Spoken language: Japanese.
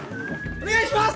お願いします！